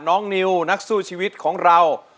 นิวนักสู้ชีวิตของเรา